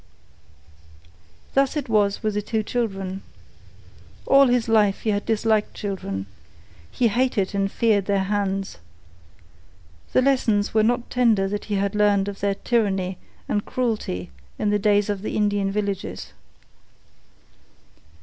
Thus it was with the two children. All his life he had disliked children. He hated and feared their hands. The lessons were not tender that he had learned of their tyranny and cruelty in the days of the Indian villages.